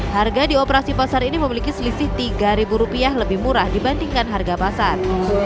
harga di operasi pasar ini memiliki selisih rp tiga lebih murah dibandingkan harga pasar